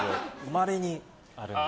まれにあるんです。